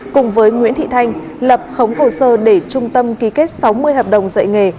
cùng với nguyễn thị thanh lập khống hồ sơ để trung tâm ký kết sáu mươi hợp đồng dạy nghề